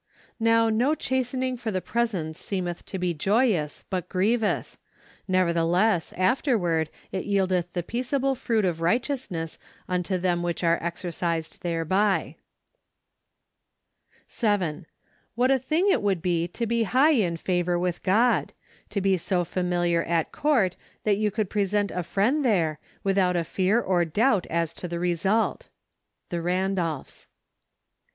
" Now no chastening for the present seemeth to be joyous , but grievous: nevertheless afterward it yieldeth the peaceable fruit of righteousness unto them which are exercised thereby ." 7. What a thing it would be to be high in favor with God; to be so familiar at court that you could present a friend there, without a fear or doubt as to the result. The Randolphs.